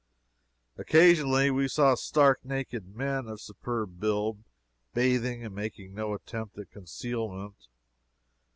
Occasionally we saw stark naked men of superb build, bathing, and making no attempt at concealment.